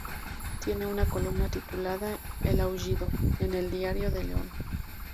Tiene una columna titulada "El aullido" en el "Diario de León".